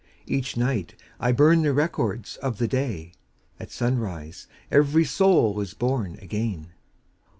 Each night I burn the records of the day, — At sunrise every soul is born again